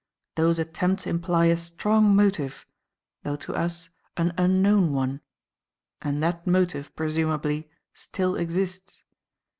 Those attempts imply a strong motive, though to us, an unknown one; and that motive, presumably, still exists.